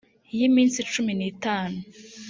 y iminsi cumi n itanu